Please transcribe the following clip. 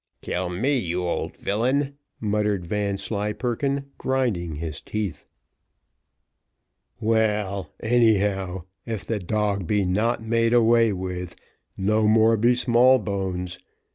"Kill me, you old villain!" muttered Vanslyperken, grinding his teeth. "Well, anyhow, if the dog be not made away with, no more be Smallbones.